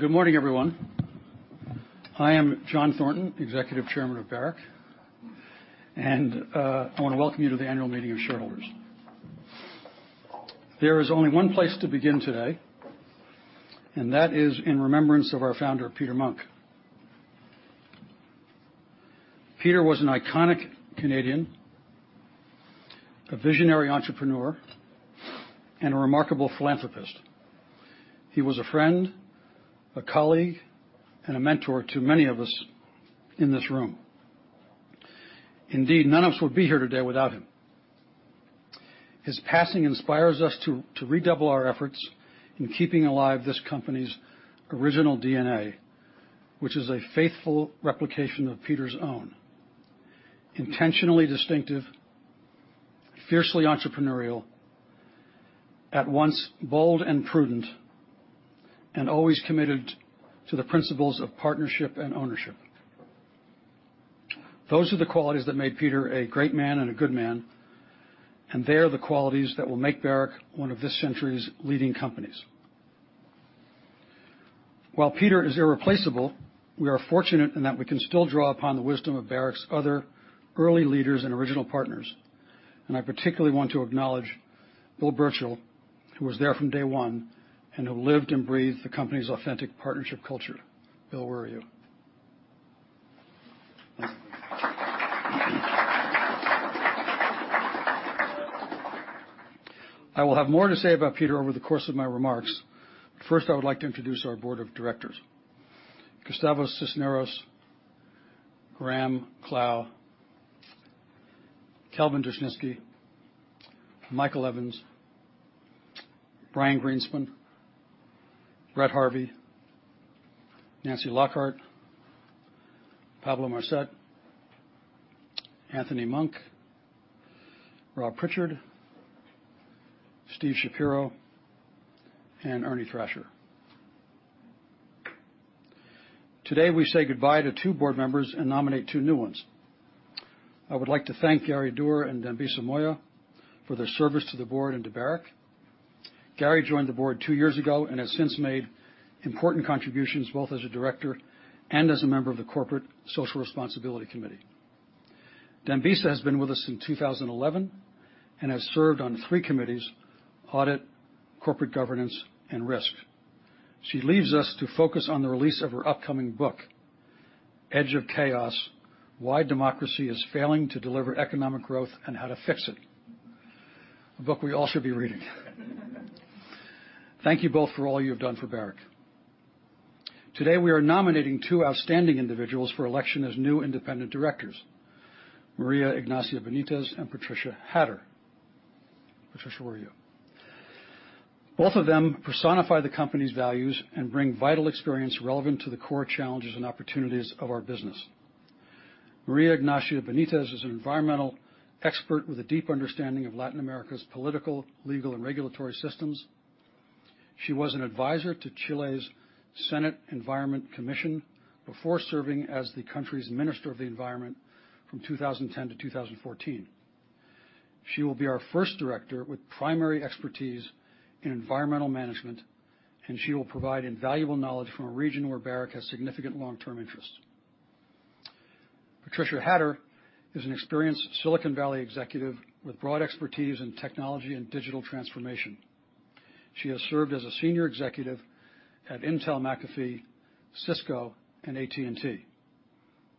Good morning, everyone. I am John Thornton, Executive Chairman of Barrick, and I want to welcome you to the annual meeting of shareholders. There is only one place to begin today, and that is in remembrance of our founder, Peter Munk. Peter was an iconic Canadian, a visionary entrepreneur, and a remarkable philanthropist. He was a friend, a colleague, and a mentor to many of us in this room. Indeed, none of us would be here today without him. His passing inspires us to redouble our efforts in keeping alive this company's original DNA, which is a faithful replication of Peter's own. Intentionally distinctive, fiercely entrepreneurial, at once bold and prudent, and always committed to the principles of partnership and ownership. Those are the qualities that made Peter a great man and a good man, and they are the qualities that will make Barrick one of this century's leading companies. While Peter is irreplaceable, we are fortunate in that we can still draw upon the wisdom of Barrick's other early leaders and original partners, and I particularly want to acknowledge Bill Birchall, who was there from day one, and who lived and breathed the company's authentic partnership culture. Bill, where are you? I will have more to say about Peter over the course of my remarks. First, I would like to introduce our board of directors. Gustavo Cisneros, Graham Clow, Kelvin Dushnisky, Michael Evans, Brian Greenspun, Brett Harvey, Nancy Lockhart, Pablo Marcet, Anthony Munk, Rob Prichard, Steve Shapiro, and Ernie Thrasher. Today, we say goodbye to two board members and nominate two new ones. I would like to thank Gary Doer and Dambisa Moyo for their service to the board and to Barrick. Gary joined the board two years ago and has since made important contributions both as a director and as a member of the Corporate Social Responsibility Committee. Dambisa has been with us since 2011 and has served on three committees, Audit, Corporate Governance, and Risk. She leaves us to focus on the release of her upcoming book, "Edge of Chaos: Why Democracy Is Failing to Deliver Economic Growth - and How to Fix It," a book we all should be reading. Thank you both for all you have done for Barrick. Today, we are nominating two outstanding individuals for election as new independent directors, María Ignacia Benítez and Patricia Hatter. Patricia, where are you? Both of them personify the company's values and bring vital experience relevant to the core challenges and opportunities of our business. María Ignacia Benítez is an environmental expert with a deep understanding of Latin America's political, legal, and regulatory systems. She was an advisor to Chile's Senate Environment Commission before serving as the country's Minister of the Environment from 2010 to 2014. She will be our first director with primary expertise in environmental management, and she will provide invaluable knowledge from a region where Barrick has significant long-term interests. Patricia Hatter is an an experienced Silicon Valley executive with broad expertise in technology and digital transformation. She has served as a senior executive at Intel, McAfee, Cisco, and AT&T.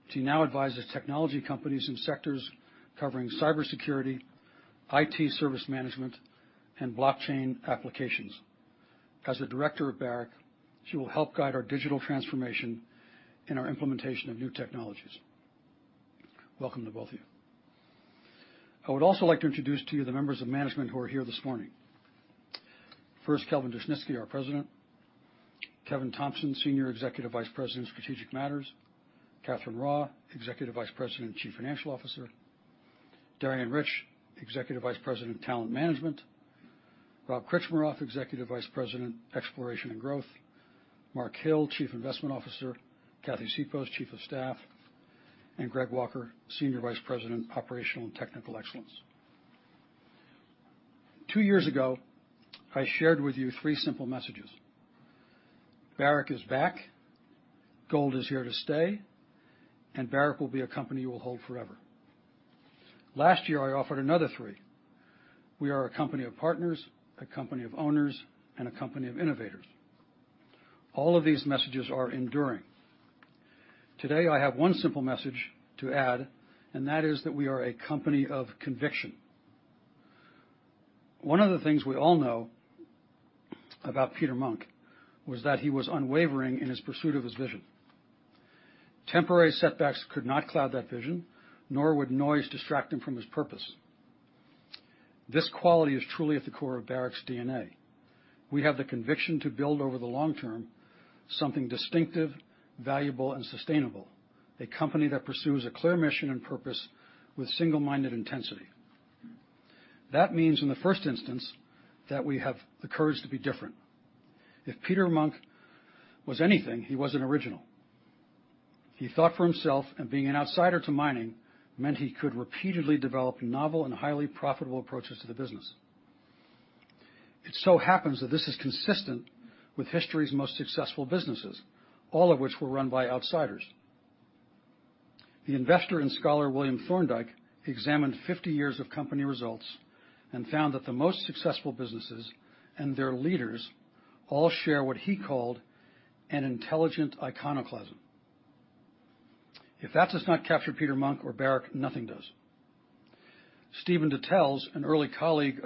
She now advises technology companies in sectors covering cybersecurity, IT service management, and blockchain applications. As a director at Barrick, she will help guide our digital transformation and our implementation of new technologies. Welcome to both of you. I would also like to introduce to you the members of management who are here this morning. First, Kelvin Dushnisky, our President. Kevin Thomson, Senior Executive Vice President of Strategic Matters. Catherine Raw, Executive Vice President and Chief Financial Officer. Darian Rich, Executive Vice President of Talent Management. Rob Krcmarov, Executive Vice President, Exploration and Growth. Mark Hill, Chief Investment Officer. Kathy Sipos, Chief of Staff, and Greg Walker, Senior Vice President, Operational and Technical Excellence. Two years ago, I shared with you three simple messages. Barrick is back, gold is here to stay, and Barrick will be a company you will hold forever. Last year, I offered another three. We are a company of partners, a company of owners, and a company of innovators. All of these messages are enduring. Today, I have one simple message to add, and that is that we are a company of conviction. One of the things we all know about Peter Munk was that he was unwavering in his pursuit of his vision. Temporary setbacks could not cloud that vision, nor would noise distract him from his purpose. This quality is truly at the core of Barrick's DNA. We have the conviction to build over the long term, something distinctive, valuable, and sustainable, a company that pursues a clear mission and purpose with single-minded intensity. That means, in the first instance, that we have the courage to be different. If Peter Munk was anything, he was an original. He thought for himself and being an outsider to mining meant he could repeatedly develop novel and highly profitable approaches to the business. It so happens that this is consistent with history's most successful businesses, all of which were run by outsiders. The investor and scholar William Thorndike examined 50 years of company results and found that the most successful businesses and their leaders all share what he called an intelligent iconoclasm. If that does not capture Peter Munk or Barrick, nothing does. Stephen Dattels, an early colleague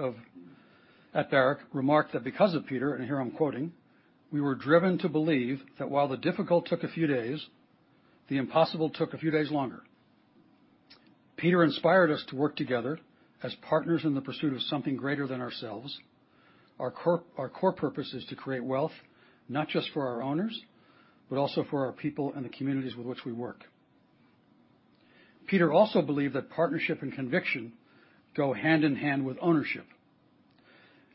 at Barrick, remarked that because of Peter, and here I'm quoting, "We were driven to believe that while the difficult took a few days, the impossible took a few days longer." Peter inspired us to work together as partners in the pursuit of something greater than ourselves. Our core purpose is to create wealth, not just for our owners, but also for our people and the communities with which we work. Peter also believed that partnership and conviction go hand in hand with ownership.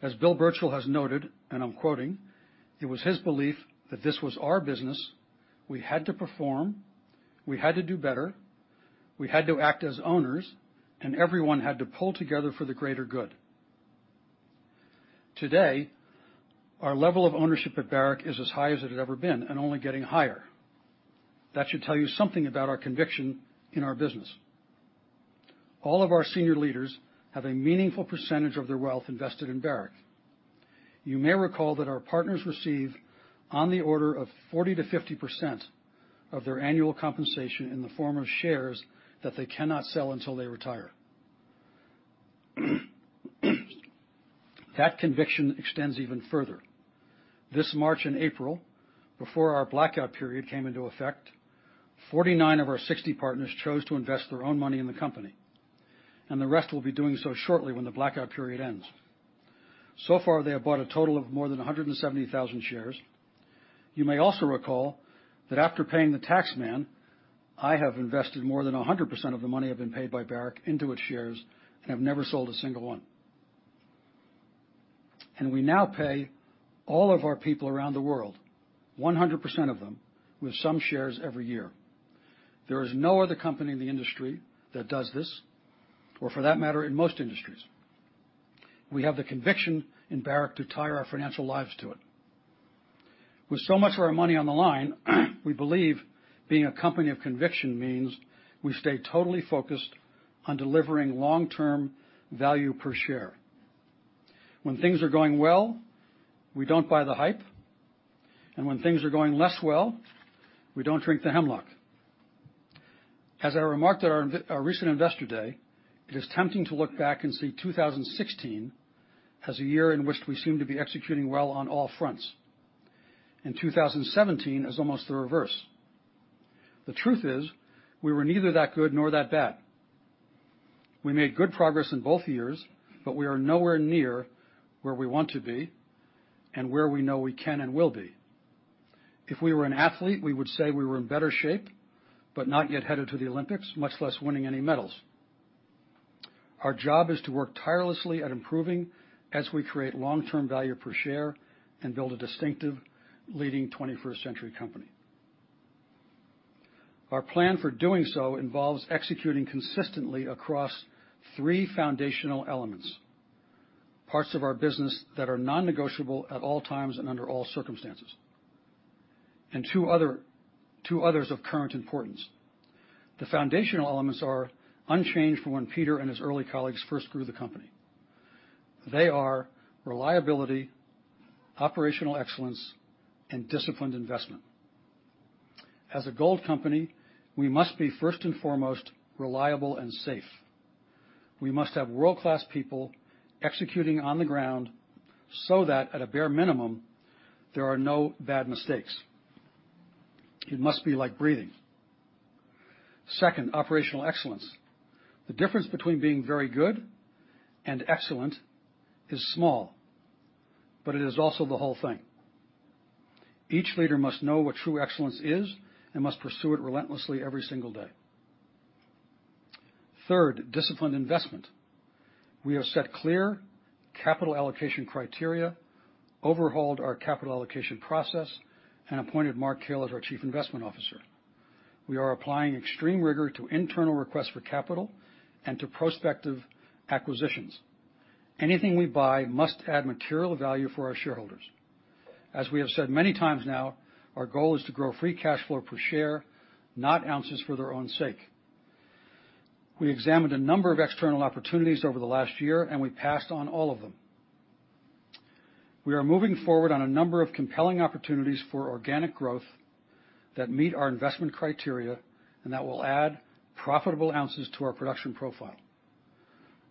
As Bill Birchall has noted, and I'm quoting, "It was his belief that this was our business, we had to perform, we had to do better, we had to act as owners, and everyone had to pull together for the greater good." Today, our level of ownership at Barrick is as high as it had ever been and only getting higher. That should tell you something about our conviction in our business. All of our senior leaders have a meaningful percentage of their wealth invested in Barrick. You may recall that our partners receive on the order of 40%-50% of their annual compensation in the form of shares that they cannot sell until they retire. That conviction extends even further. This March and April, before our blackout period came into effect, 49 of our 60 partners chose to invest their own money in the company, the rest will be doing so shortly when the blackout period ends. So far, they have bought a total of more than 170,000 shares. You may also recall that after paying the tax man, I have invested more than 100% of the money I've been paid by Barrick into its shares and have never sold a single one. We now pay all of our people around the world, 100% of them, with some shares every year. There is no other company in the industry that does this, or for that matter, in most industries. We have the conviction in Barrick to tie our financial lives to it. With so much of our money on the line, we believe being a company of conviction means we stay totally focused on delivering long-term value per share. When things are going well, we don't buy the hype, and when things are going less well, we don't drink the hemlock. As I remarked at our recent Investor Day, it is tempting to look back and see 2016 as a year in which we seem to be executing well on all fronts. In 2017, it was almost the reverse. The truth is, we were neither that good nor that bad. We made good progress in both years, but we are nowhere near where we want to be and where we know we can and will be. If we were an athlete, we would say we were in better shape, but not yet headed to the Olympics, much less winning any medals. Our job is to work tirelessly at improving as we create long-term value per share and build a distinctive leading 21st century company. Our plan for doing so involves executing consistently across three foundational elements, parts of our business that are non-negotiable at all times and under all circumstances. Two others of current importance. The foundational elements are unchanged from when Peter and his early colleagues first grew the company. They are reliability, operational excellence, and disciplined investment. As a gold company, we must be first and foremost reliable and safe. We must have world-class people executing on the ground so that at a bare minimum, there are no bad mistakes. It must be like breathing. Second, operational excellence. The difference between being very good and excellent is small, but it is also the whole thing. Each leader must know what true excellence is and must pursue it relentlessly every single day. Third, disciplined investment. We have set clear capital allocation criteria, overhauled our capital allocation process, and appointed Mark Hill as our chief investment officer. We are applying extreme rigor to internal requests for capital and to prospective acquisitions. Anything we buy must add material value for our shareholders. As we have said many times now, our goal is to grow free cash flow per share, not ounces for their own sake. We examined a number of external opportunities over the last year, and we passed on all of them. We are moving forward on a number of compelling opportunities for organic growth that meet our investment criteria and that will add profitable ounces to our production profile.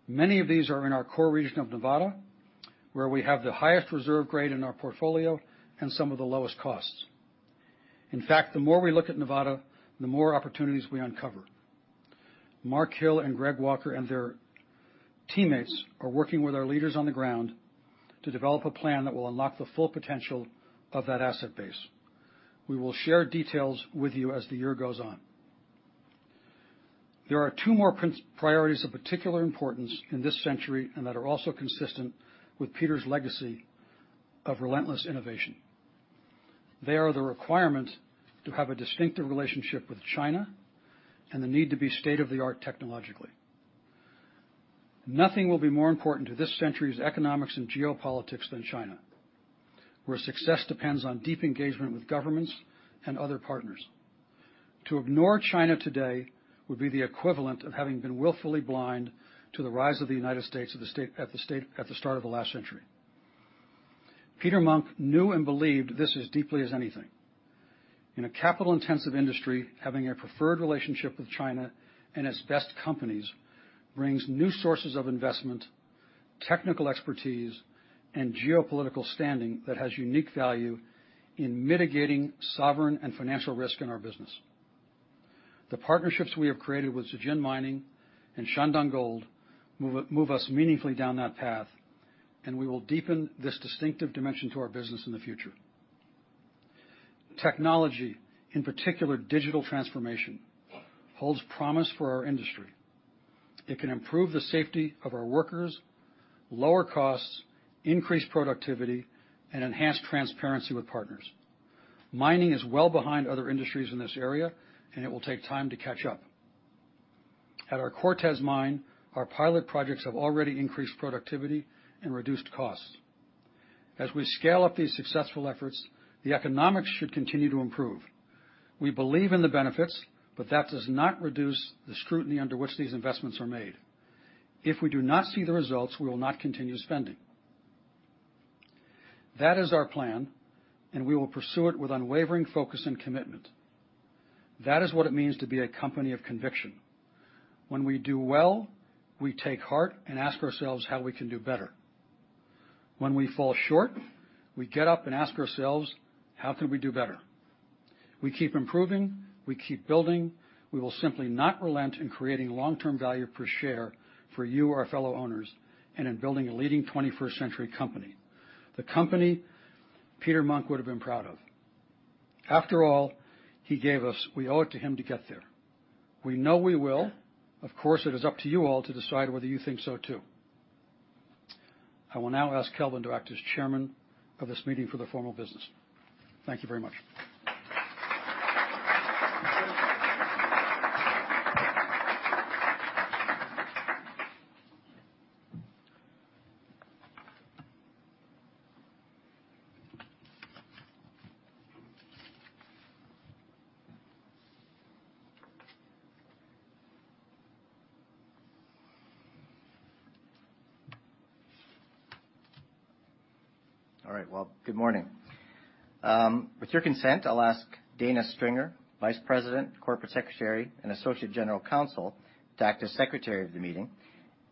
Many of these are in our core region of Nevada, where we have the highest reserve grade in our portfolio and some of the lowest costs. In fact, the more we look at Nevada, the more opportunities we uncover. Mark Hill and Greg Walker and their teammates are working with our leaders on the ground to develop a plan that will unlock the full potential of that asset base. We will share details with you as the year goes on. There are two more priorities of particular importance in this century and that are also consistent with Peter's legacy of relentless innovation. They are the requirement to have a distinctive relationship with China and the need to be state-of-the-art technologically. Nothing will be more important to this century's economics and geopolitics than China, where success depends on deep engagement with governments and other partners. To ignore China today would be the equivalent of having been willfully blind to the rise of the United States at the start of the last century. Peter Munk knew and believed this as deeply as anything. In a capital-intensive industry, having a preferred relationship with China and its best companies brings new sources of investment, technical expertise, and geopolitical standing that has unique value in mitigating sovereign and financial risk in our business. The partnerships we have created with Zijin Mining and Shandong Gold move us meaningfully down that path, and we will deepen this distinctive dimension to our business in the future. Technology, in particular digital transformation, holds promise for our industry. It can improve the safety of our workers, lower costs, increase productivity, and enhance transparency with partners. Mining is well behind other industries in this area, and it will take time to catch up. At our Cortez mine, our pilot projects have already increased productivity and reduced costs. As we scale up these successful efforts, the economics should continue to improve. We believe in the benefits, but that does not reduce the scrutiny under which these investments are made. If we do not see the results, we will not continue spending. That is our plan, and we will pursue it with unwavering focus and commitment. That is what it means to be a company of conviction. When we do well, we take heart and ask ourselves how we can do better. When we fall short, we get up and ask ourselves, how can we do better? We keep improving, we keep building. We will simply not relent in creating long-term value per share for you, our fellow owners, and in building a leading 21st century company. The company Peter Munk would have been proud of. After all he gave us, we owe it to him to get there. We know we will. Of course, it is up to you all to decide whether you think so, too. I will now ask Kelvin to act as chairman of this meeting for the formal business. Thank you very much. All right. Well, good morning. With your consent, I'll ask Dana Stringer, Vice President, Corporate Secretary, and Associate General Counsel, to act as Secretary of the meeting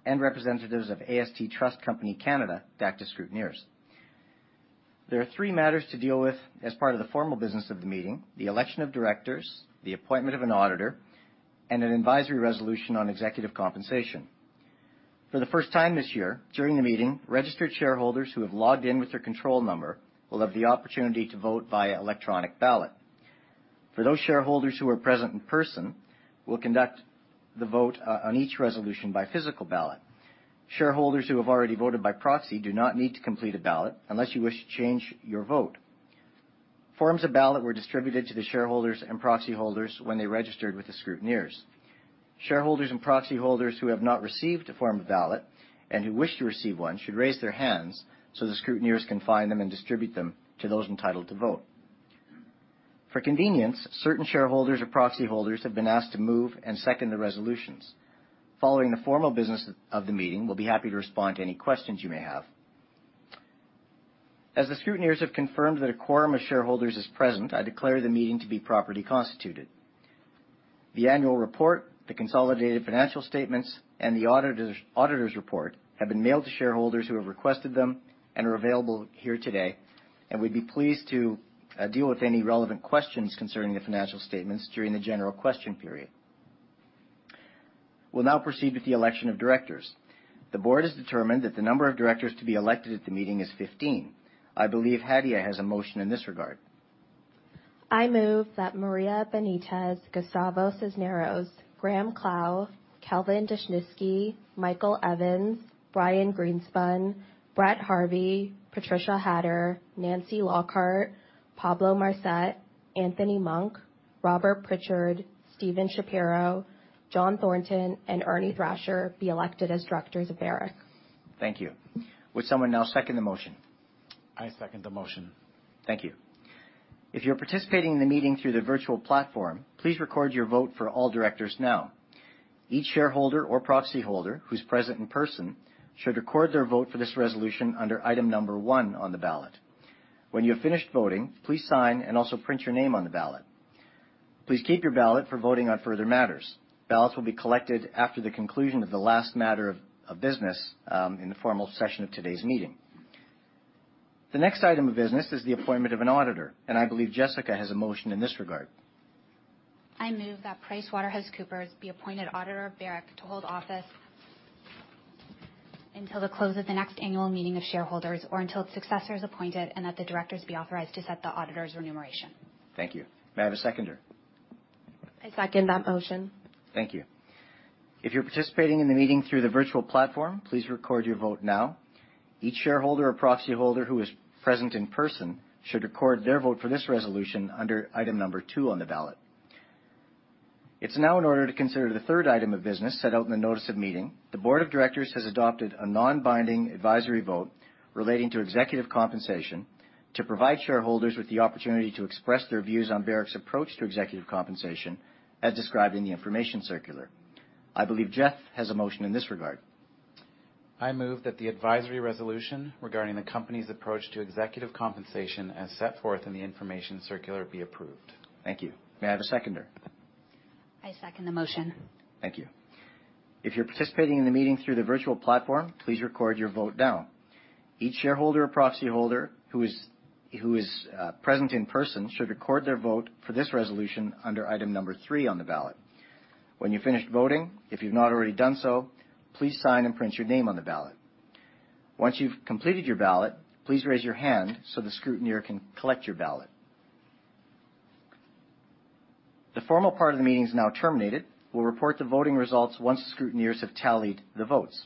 and representatives of AST Trust Company (Canada) to act as scrutineers. There are three matters to deal with as part of the formal business of the meeting: the election of directors, the appointment of an auditor, and an advisory resolution on executive compensation. For the first time this year, during the meeting, registered shareholders who have logged in with their control number will have the opportunity to vote via electronic ballot. For those shareholders who are present in person, we'll conduct the vote on each resolution by physical ballot. Shareholders who have already voted by proxy do not need to complete a ballot unless you wish to change your vote. Forms of ballot were distributed to the shareholders and proxy holders when they registered with the scrutineers. Shareholders and proxy holders who have not received a form of ballot and who wish to receive one should raise their hands so the scrutineers can find them and distribute them to those entitled to vote. For convenience, certain shareholders or proxy holders have been asked to move and second the resolutions. Following the formal business of the meeting, we'll be happy to respond to any questions you may have. As the scrutineers have confirmed that a quorum of shareholders is present, I declare the meeting to be properly constituted. The annual report, the consolidated financial statements, and the auditor's report have been mailed to shareholders who have requested them and are available here today. We'd be pleased to deal with any relevant questions concerning the financial statements during the general question period. We'll now proceed with the election of directors. The board has determined that the number of directors to be elected at the meeting is 15. I believe Hadia has a motion in this regard. I move that María Benítez, Gustavo Cisneros, Graham Clow, Kelvin Dushnisky, Michael Evans, Brian Greenspun, Brett Harvey, Patricia Hatter, Nancy Lockhart, Pablo Marcet, Anthony Munk, Robert Prichard, Steven Shapiro, John Thornton, and Ernie Thrasher be elected as directors of Barrick. Thank you. Would someone now second the motion? I second the motion. Thank you. If you're participating in the meeting through the virtual platform, please record your vote for all directors now. Each shareholder or proxy holder who's present in person should record their vote for this resolution under item number one on the ballot. When you have finished voting, please sign and also print your name on the ballot. Please keep your ballot for voting on further matters. Ballots will be collected after the conclusion of the last matter of business in the formal session of today's meeting. The next item of business is the appointment of an auditor. I believe Jessica has a motion in this regard. I move that PricewaterhouseCoopers be appointed auditor of Barrick to hold office until the close of the next annual meeting of shareholders or until its successor is appointed, that the directors be authorized to set the auditor's remuneration. Thank you. May I have a seconder? I second that motion. Thank you. If you're participating in the meeting through the virtual platform, please record your vote now. Each shareholder or proxy holder who is present in person should record their vote for this resolution under item number two on the ballot. It's now in order to consider the third item of business set out in the notice of meeting. The board of directors has adopted a non-binding advisory vote relating to executive compensation to provide shareholders with the opportunity to express their views on Barrick's approach to executive compensation as described in the information circular. I believe Geoff has a motion in this regard. I move that the advisory resolution regarding the company's approach to executive compensation as set forth in the information circular be approved. Thank you. May I have a seconder? I second the motion. Thank you. If you're participating in the meeting through the virtual platform, please record your vote now. Each shareholder or proxy holder who is present in person should record their vote for this resolution under item number three on the ballot. When you're finished voting, if you've not already done so, please sign and print your name on the ballot. Once you've completed your ballot, please raise your hand so the scrutineer can collect your ballot. The formal part of the meeting is now terminated. We'll report the voting results once the scrutineers have tallied the votes.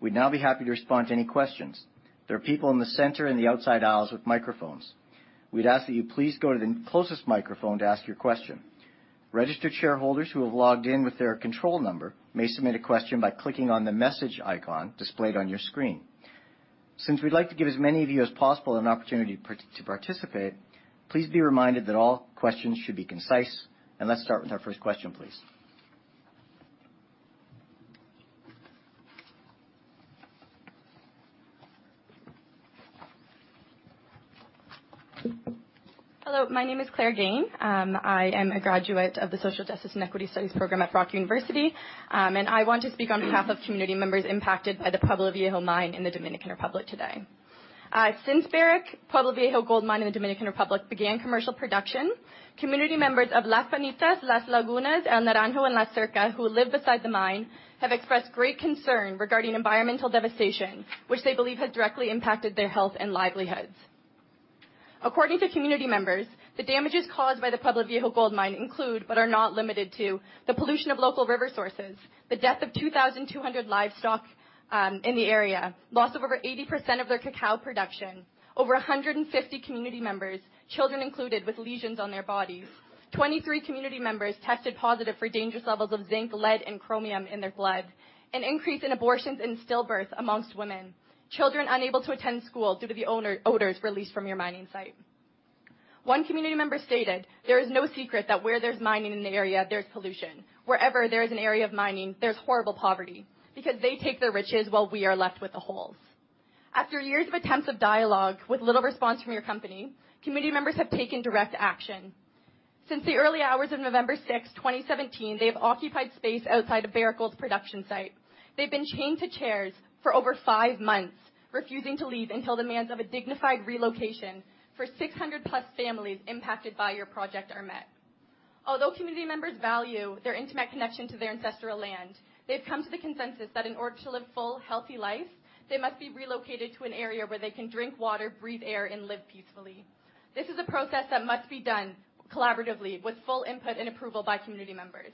We'd now be happy to respond to any questions. There are people in the center and the outside aisles with microphones. We'd ask that you please go to the closest microphone to ask your question. Registered shareholders who have logged in with their control number may submit a question by clicking on the message icon displayed on your screen. Since we'd like to give as many of you as possible an opportunity to participate, please be reminded that all questions should be concise. Let's start with our first question, please. Hello, my name is Claire Gain. I am a graduate of the Social Justice and Equity Studies program at Brock University. I want to speak on behalf of community members impacted by the Pueblo Viejo mine in the Dominican Republic today. Since Barrick Pueblo Viejo Gold Mine in the Dominican Republic began commercial production, community members of Las Piñitas, Las Lagunas, El Naranjo, and La Cerca who live beside the mine have expressed great concern regarding environmental devastation, which they believe has directly impacted their health and livelihoods. According to community members, the damages caused by the Pueblo Viejo gold mine include, but are not limited to, the pollution of local river sources, the death of 2,200 livestock in the area, loss of over 80% of their cacao production, over 150 community members, children included, with lesions on their bodies. 23 community members tested positive for dangerous levels of zinc, lead, and chromium in their blood. An increase in abortions and stillbirth amongst women. Children unable to attend school due to the odors released from your mining site. One community member stated, "There is no secret that where there's mining in the area, there's pollution. Wherever there is an area of mining, there's horrible poverty because they take the riches while we are left with the holes." After years of attempts of dialogue with little response from your company, community members have taken direct action. Since the early hours of November 6th, 2017, they have occupied space outside of Barrick Gold's production site. They've been chained to chairs for over 5 months, refusing to leave until demands of a dignified relocation for 600+ families impacted by your project are met. Although community members value their intimate connection to their ancestral land, they've come to the consensus that in order to live full, healthy life, they must be relocated to an area where they can drink water, breathe air, and live peacefully. This is a process that must be done collaboratively with full input and approval by community members.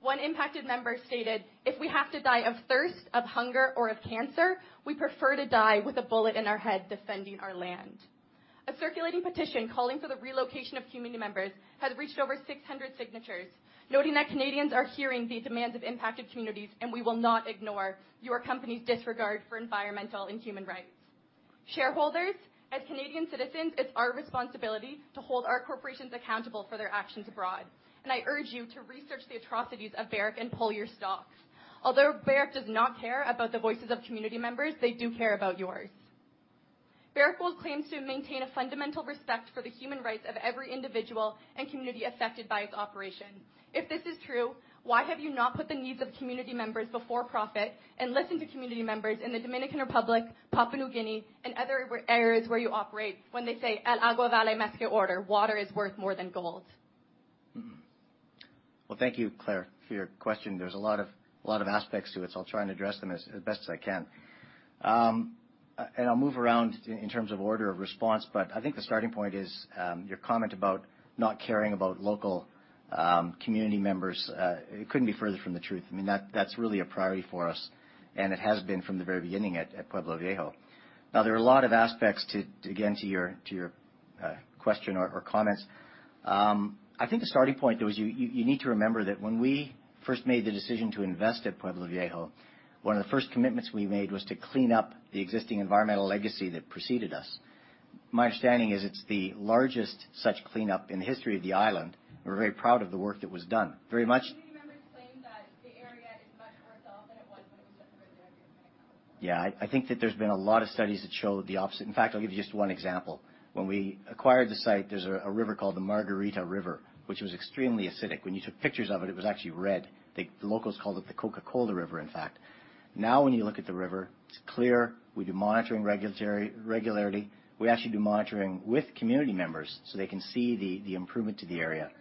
One impacted member stated, "If we have to die of thirst, of hunger, or of cancer, we prefer to die with a bullet in our head defending our land." A circulating petition calling for the relocation of community members has reached over 600 signatures, noting that Canadians are hearing the demands of impacted communities, and we will not ignore your company's disregard for environmental and human rights. Shareholders, as Canadian citizens, it's our responsibility to hold our corporations accountable for their actions abroad, and I urge you to research the atrocities of Barrick and pull your stocks. Although Barrick does not care about the voices of community members, they do care about yours. Barrick Gold claims to maintain a fundamental respect for the human rights of every individual and community affected by its operation. If this is true, why have you not put the needs of community members before profit and listened to community members in the Dominican Republic, Papua New Guinea, and other areas where you operate when they say, "¡El agua vale más que el oro!", water is worth more than gold. Well, thank you, Claire, for your question. There's a lot of aspects to it. I'll try and address them as best as I can. I'll move around in terms of order of response. I think the starting point is your comment about not caring about local community members. It couldn't be further from the truth. That's really a priority for us, and it has been from the very beginning at Pueblo Viejo. There are a lot of aspects, again, to your question or comments. I think the starting point, though, is you need to remember that when we first made the decision to invest at Pueblo Viejo, one of the first commitments we made was to clean up the existing environmental legacy that preceded us. My understanding is it's the largest such cleanup in the history of the island. We're very proud of the work that was done. Community members claim that the area is much worse off than it was when you took over the area. Yeah. I think that there's been a lot of studies that show the opposite. In fact, I'll give you just one example. When we acquired the site, there's a river called the Margajita River, which was extremely acidic. When you took pictures of it was actually red. The locals called it the Coca-Cola River, in fact. When you look at the river, it's clear. We do monitoring regularity. We actually do monitoring with community members so they can see the improvement to the area. [inaudible]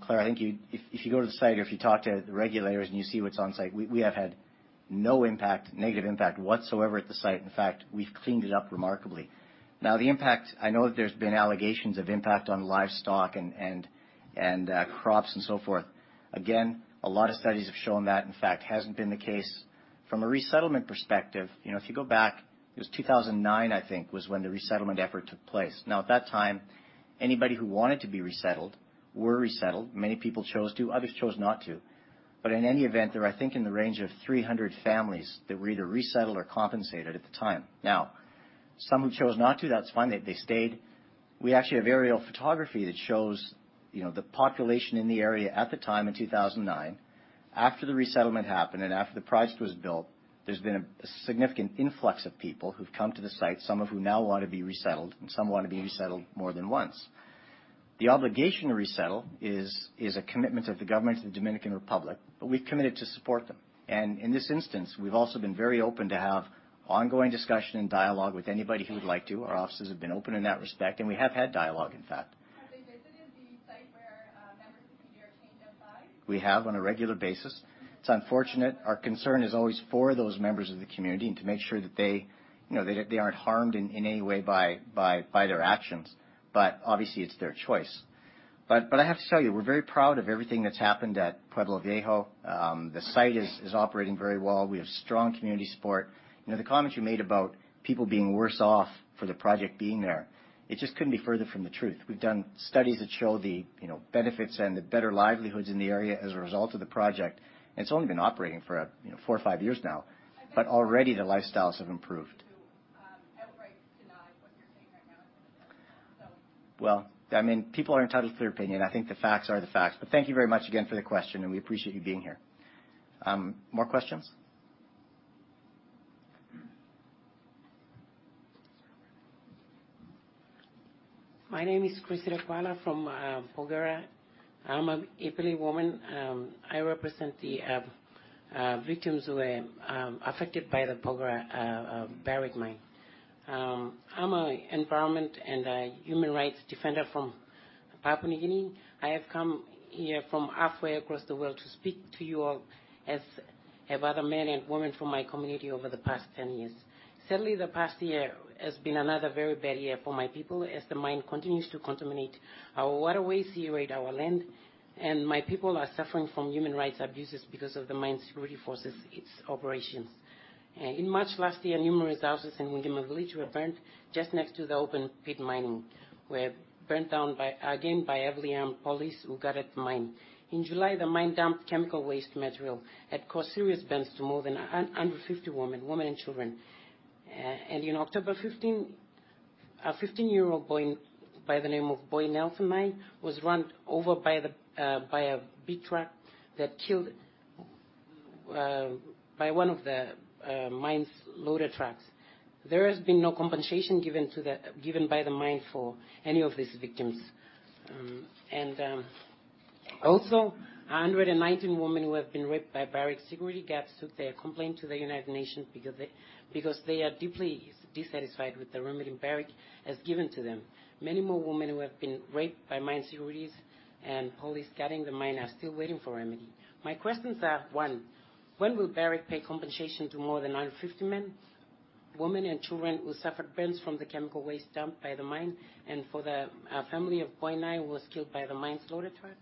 Claire, I think if you go to the site or if you talk to the regulators and you see what's on-site, we have had no negative impact whatsoever at the site. In fact, we've cleaned it up remarkably. Now, the impact, I know that there's been allegations of impact on livestock and crops and so forth. Again, a lot of studies have shown that, in fact, hasn't been the case. From a resettlement perspective, if you go back, it was 2009, I think, was when the resettlement effort took place. Now, at that time, anybody who wanted to be resettled were resettled. Many people chose to, others chose not to. In any event, there are, I think, in the range of 300 families that were either resettled or compensated at the time. Now, some who chose not to, that's fine. They stayed. We actually have aerial photography that shows the population in the area at the time in 2009. After the resettlement happened and after the project was built, there's been a significant influx of people who've come to the site, some of whom now want to be resettled, and some want to be resettled more than once. The obligation to resettle is a commitment of the government to the Dominican Republic, but we've committed to support them. In this instance, we've also been very open to have ongoing discussion and dialogue with anybody who would like to. Our offices have been open in that respect, and we have had dialogue, in fact. Have they visited the site where members of the community are chained outside? We have on a regular basis. Okay. It's unfortunate. Our concern is always for those members of the community and to make sure that they aren't harmed in any way by their actions. Obviously, it's their choice. I have to tell you, we're very proud of everything that's happened at Pueblo Viejo. The site is operating very well. We have strong community support. The comment you made about people being worse off for the project being there, it just couldn't be further from the truth. We've done studies that show the benefits and the better livelihoods in the area as a result of the project. It's only been operating for four or five years now. I think. Already their lifestyles have improved. To outright deny what they're saying right now. People are entitled to their opinion. I think the facts are the facts. Thank you very much again for the question, we appreciate you being here. More questions? My name is Cressida Kuala from Porgera. I'm an Ipili woman. I represent the victims who were affected by the Porgera Barrick mine. I'm an environment and a human rights defender from Papua New Guinea. I have come here from halfway across the world to speak to you all, as have other men and women from my community over the past 10 years. Sadly, the past year has been another very bad year for my people as the mine continues to contaminate our waterways, irradiate our land, my people are suffering from human rights abuses because of the mine's security forces, its operations. In March last year, numerous houses in Wingimur Village were burnt just next to the open pit mining, were burnt down, again, by heavily armed police who guarded the mine. In July, the mine dumped chemical waste material that caused serious burns to more than 150 women and children. In October 15, a 15-year-old boy by the name of Boi Nelson Nai was run over by a big truck that killed, by one of the mine's loader trucks. There has been no compensation given by the mine for any of these victims. Also, 119 women who have been raped by Barrick Security guards took their complaint to the United Nations because they are deeply dissatisfied with the remedy Barrick has given to them. Many more women who have been raped by mine securities and police guarding the mine are still waiting for remedy. My questions are, one, when will Barrick pay compensation to more than 150 men, women, and children who suffered burns from the chemical waste dumped by the mine and for the family of Boi Nai who was killed by the mine's loader truck?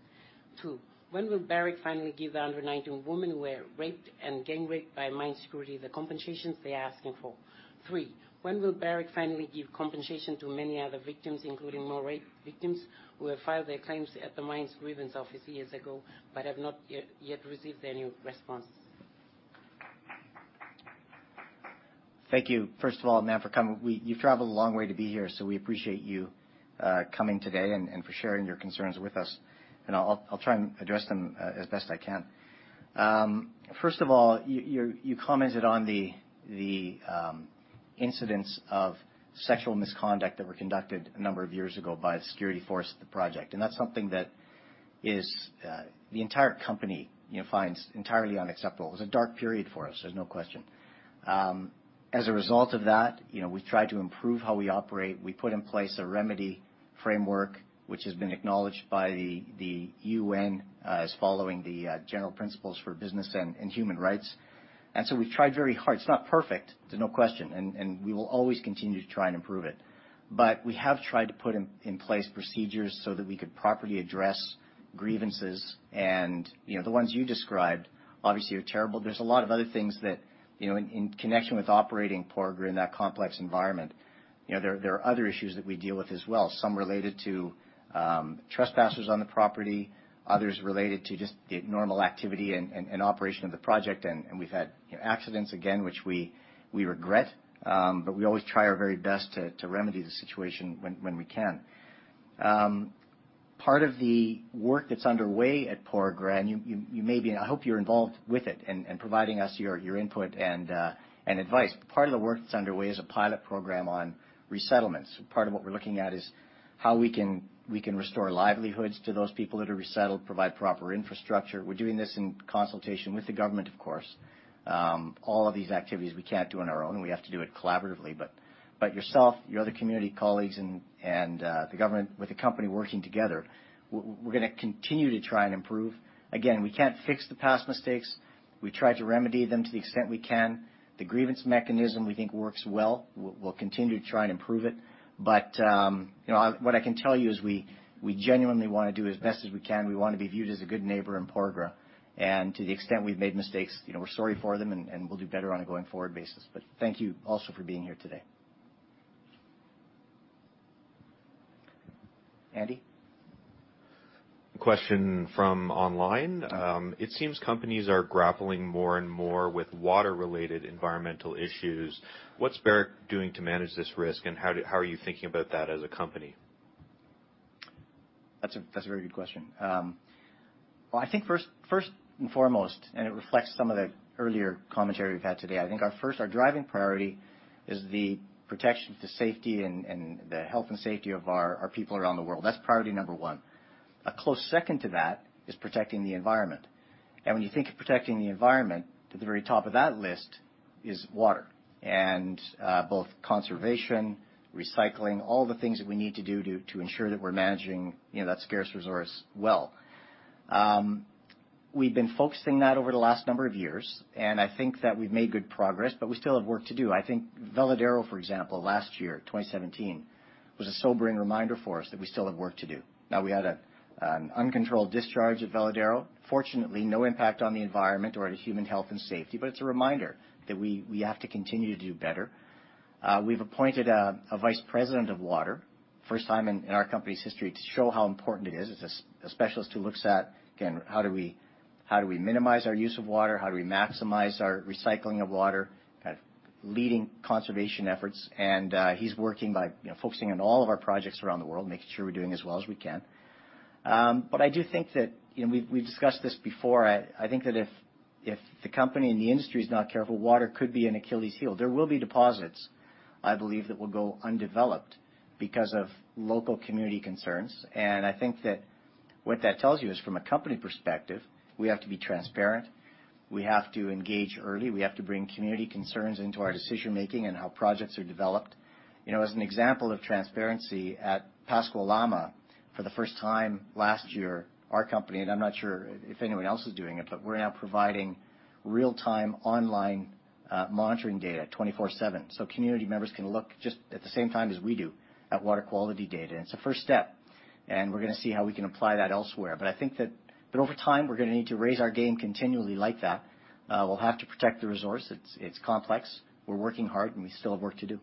Two, when will Barrick finally give the 119 women who were raped and gang raped by mine security the compensations they are asking for? Three, when will Barrick finally give compensation to many other victims, including more rape victims who have filed their claims at the mine's grievance office years ago but have not yet received any response? Thank you, first of all, ma'am, for coming. You've traveled a long way to be here, so we appreciate you coming today and for sharing your concerns with us. I'll try and address them as best I can. First of all, you commented on the incidents of sexual misconduct that were conducted a number of years ago by the security force at the project, that's something that the entire company finds entirely unacceptable. It was a dark period for us. There's no question. As a result of that, we've tried to improve how we operate. We put in place a remedy framework, which has been acknowledged by the UN as following the general principles for business and human rights, we've tried very hard. It's not perfect. There's no question, and we will always continue to try and improve it. We have tried to put in place procedures so that we could properly address grievances, the ones you described obviously are terrible. There's a lot of other things that in connection with operating Porgera in that complex environment, there are other issues that we deal with as well, some related to trespassers on the property, others related to just the normal activity and operation of the project, we've had accidents, again, which we regret, but we always try our very best to remedy the situation when we can. Part of the work that's underway at Porgera, I hope you're involved with it and providing us your input and advice, but part of the work that's underway is a pilot program on resettlements. Part of what we're looking at is how we can restore livelihoods to those people that are resettled, provide proper infrastructure. We're doing this in consultation with the government, of course. All of these activities we can't do on our own. We have to do it collaboratively. Yourself, your other community colleagues, and the government with the company working together, we're going to continue to try and improve. Again, we can't fix the past mistakes. We try to remedy them to the extent we can. The grievance mechanism we think works well. We'll continue to try and improve it. What I can tell you is we genuinely want to do as best as we can. We want to be viewed as a good neighbor in Porgera. To the extent we've made mistakes, we're sorry for them and we'll do better on a going forward basis. Thank you also for being here today. Anthony? A question from online. It seems companies are grappling more and more with water-related environmental issues. What's Barrick doing to manage this risk, and how are you thinking about that as a company? That's a very good question. I think first and foremost, and it reflects some of the earlier commentary we've had today, I think our first, our driving priority, is the protection to safety and the health and safety of our people around the world. That's priority number one. A close second to that is protecting the environment. When you think of protecting the environment, to the very top of that list is water, and both conservation, recycling, all the things that we need to do to ensure that we're managing that scarce resource well. We've been focusing that over the last number of years, and I think that we've made good progress, we still have work to do. I think Veladero, for example, last year, 2017, was a sobering reminder for us that we still have work to do. We had an uncontrolled discharge at Veladero. Fortunately, no impact on the environment or to human health and safety, it's a reminder that we have to continue to do better. We've appointed a vice president of water, first time in our company's history, to show how important it is. It's a specialist who looks at, again, how do we minimize our use of water? How do we maximize our recycling of water? Kind of leading conservation efforts. He's working by focusing on all of our projects around the world, making sure we're doing as well as we can. I do think that, we've discussed this before. I think that if the company and the industry is not careful, water could be an Achilles heel. There will be deposits, I believe, that will go undeveloped because of local community concerns. I think that what that tells you is from a company perspective, we have to be transparent. We have to engage early. We have to bring community concerns into our decision-making and how projects are developed. As an example of transparency, at Pascua Lama, for the first time last year, our company, and I'm not sure if anyone else is doing it, we're now providing real-time online monitoring data 24/7 so community members can look just at the same time as we do at water quality data. It's a first step, and we're going to see how we can apply that elsewhere. I think that over time, we're going to need to raise our game continually like that. We'll have to protect the resource. It's complex. We're working hard, and we still have work to do.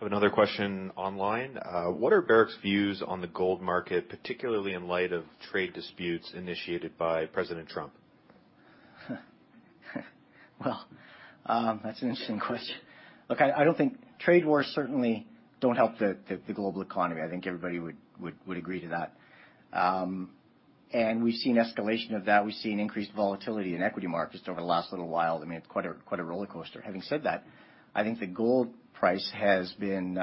I have another question online. What are Barrick's views on the gold market, particularly in light of trade disputes initiated by President Trump? That's an interesting question. Look, trade wars certainly don't help the global economy. I think everybody would agree to that. We've seen escalation of that. We've seen increased volatility in equity markets over the last little while. It's quite a rollercoaster. Having said that, I think the gold price has been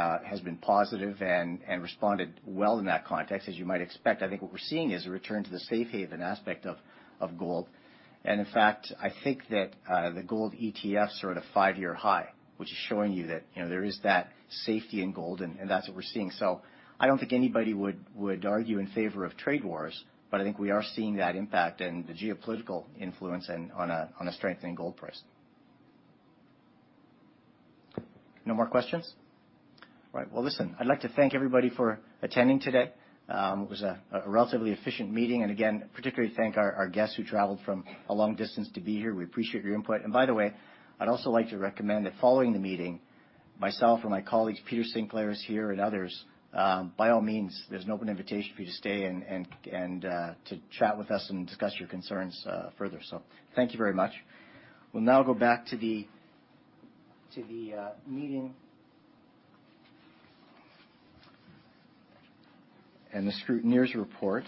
positive and responded well in that context, as you might expect. I think what we're seeing is a return to the safe haven aspect of gold. In fact, I think that the gold ETFs are at a five-year high, which is showing you that there is that safety in gold, and that's what we're seeing. I don't think anybody would argue in favor of trade wars, but I think we are seeing that impact and the geopolitical influence on a strengthening gold price. No more questions? Right. Listen, I'd like to thank everybody for attending today. It was a relatively efficient meeting, and again, particularly thank our guests who traveled from a long distance to be here. We appreciate your input. By the way, I'd also like to recommend that following the meeting, myself and my colleagues, Peter Sinclair is here and others, by all means, there's an open invitation for you to stay and to chat with us and discuss your concerns further. Thank you very much. We'll now go back to the meeting and the scrutineer's report.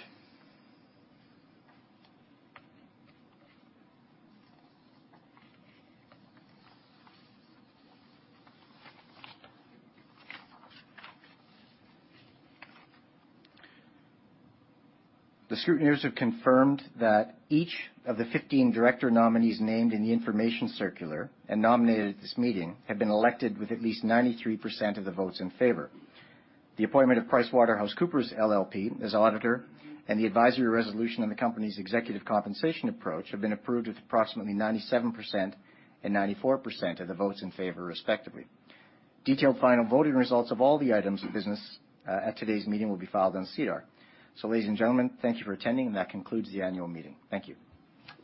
The scrutineers have confirmed that each of the 15 director nominees named in the information circular and nominated at this meeting have been elected with at least 93% of the votes in favor. The appointment of PricewaterhouseCoopers LLP as auditor and the advisory resolution on the company's executive compensation approach have been approved with approximately 97% and 94% of the votes in favor, respectively. Detailed final voting results of all the items of business at today's meeting will be filed on SEDAR. Ladies and gentlemen, thank you for attending, and that concludes the annual meeting. Thank you.